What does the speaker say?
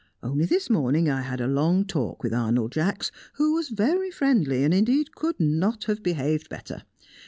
Only this morning I had a long talk with Arnold Jacks, who was very friendly, and indeed could not have behaved better.